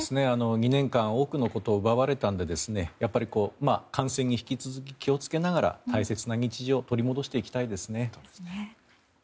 ２年間多くのことを奪われたので感染に引き続き気をつけながら大切な日常を取り戻していきたいですね。